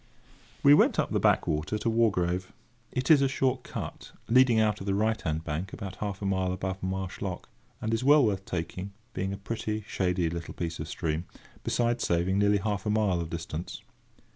We went up the backwater to Wargrave. It is a short cut, leading out of the right hand bank about half a mile above Marsh Lock, and is well worth taking, being a pretty, shady little piece of stream, besides saving nearly half a mile of distance.